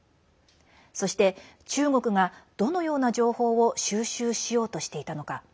そして、中国がどのような情報を収集しようとしていたのか。